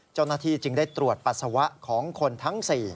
เจ้าหน้าที่จึงได้ตรวจปัสสาวะของคนทั้ง๔